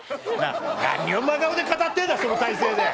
何を真顔で語ってんだその体勢で。